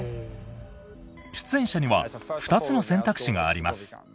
出演者には２つの選択肢があります。